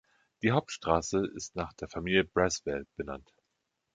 Die Hauptstraße ist nach der Familie Braswell benannt.